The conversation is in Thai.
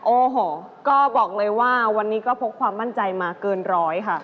โอ้โหก็บอกเลยว่าวันนี้ก็พกความมั่นใจมาเกินร้อยค่ะ